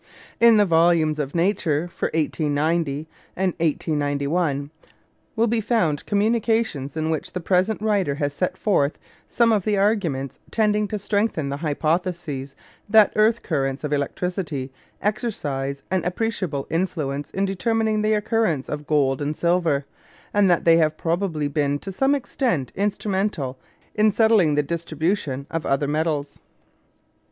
In the volumes of Nature for 1890 and 1891 will be found communications in which the present writer has set forth some of the arguments tending to strengthen the hypothesis that earth currents of electricity exercise an appreciable influence in determining the occurrence of gold and silver, and that they have probably been to some extent instrumental in settling the distribution of other metals.